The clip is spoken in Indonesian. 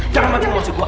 jangan mancing emosi gua